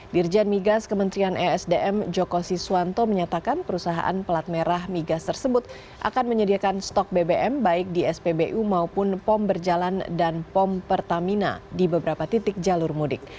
dirjen migas kementerian esdm joko siswanto menyatakan perusahaan pelat merah migas tersebut akan menyediakan stok bbm baik di spbu maupun pom berjalan dan pom pertamina di beberapa titik jalur mudik